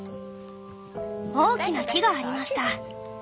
「大きな木がありました。